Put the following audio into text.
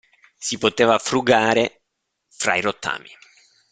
Si poteva frugare fra i rottami.